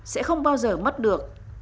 sẽ không bao giờ mất được